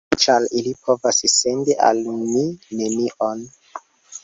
Ĉar ili povas sendi al mi nenion.